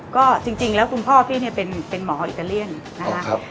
ก็จริงแล้วคุณพ่อพี่เนี่ยเป็นหมออิตาเลียนนะคะ